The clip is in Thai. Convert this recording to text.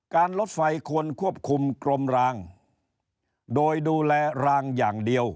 รถไฟควรควบคุมกรมรางโดยดูแลรางอย่างเดียว